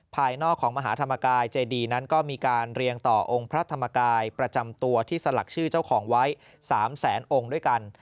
ภายนอกของมหาธรรมกายเจดีนั้นก็มีการเรียงต่อองค์พระธรรมกายประจำตัวที่สลักชื่อเจ้าของไว้๓แสนองค์ด้วยกัน